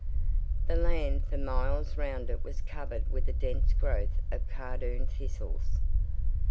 The land for miles round it was covered with a dense growth of cardoon thistles.